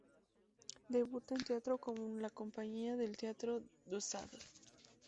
Debuta en teatro con la compañía del teatro du Sable.